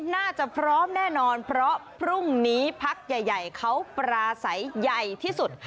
น่าจะพร้อมแน่นอนเพราะพรุ่งนี้พักใหญ่เขาปราศัยใหญ่ที่สุด